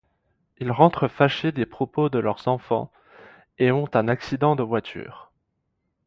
Ils rentrent fâchés des propos de leurs enfants et ont un accident de voiture.